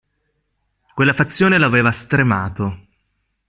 Quella fazione lo aveva stremato.